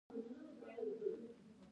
پښتو ژبه څومره لرغونې ده؟